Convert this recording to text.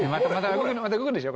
また動くんでしょ